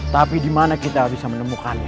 tapi dimana kita bisa menemukannya